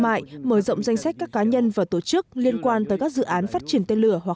mại mở rộng danh sách các cá nhân và tổ chức liên quan tới các dự án phát triển tên lửa hoặc